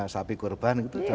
sapi korban gitu